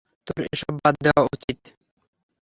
তোর এসব বাদ দেয়া উচিৎ।